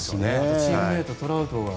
チームメートトラウトは。